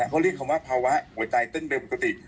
เขาเรียกคำว่าภาวะหัวใจเต้นเร็วปกติ